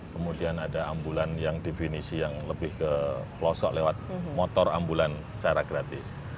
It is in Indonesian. kemudian ada ambulan yang definisi yang lebih ke pelosok lewat motor ambulan secara gratis